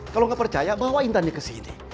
kalau nggak percaya bawa intannya ke sini